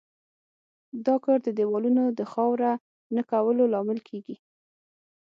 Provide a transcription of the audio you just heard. دا کار د دېوالونو د خاوره نه کولو لامل کیږي.